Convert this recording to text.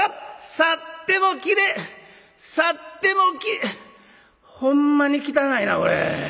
さってもきれさってもきほんまに汚いなこれ。